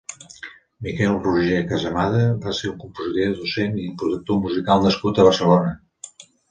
Miquel Roger Casamada va ser un compositor, docent i productor musical nascut a Barcelona.